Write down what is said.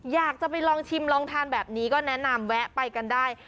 อยากจะไปลองชิมลองทานแบบนี้ก็แนะนำแวะไปกันได้